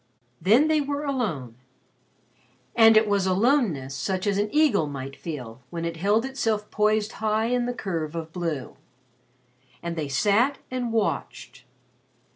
Then they were alone, and it was a loneness such as an eagle might feel when it held itself poised high in the curve of blue. And they sat and watched.